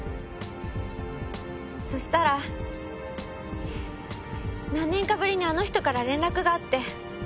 そしたら何年かぶりにあの人から連絡があって。